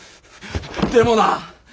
でもな！